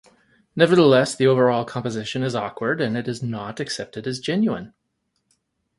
Nevertheless, the overall composition is awkward and it is not accepted as genuine.